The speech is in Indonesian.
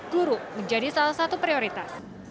guru menjadi salah satu prioritas